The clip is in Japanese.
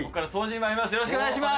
よろしくお願いします